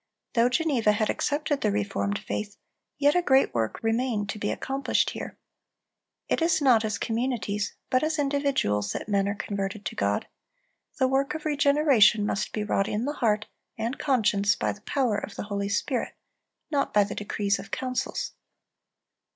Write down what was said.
Though Geneva had accepted the reformed faith, yet a great work remained to be accomplished here. It is not as communities but as individuals that men are converted to God; the work of regeneration must be wrought in the heart and conscience by the power of the Holy Spirit, not by the decrees of councils.